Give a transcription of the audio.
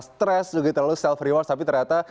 stres lalu self rewards tapi ternyata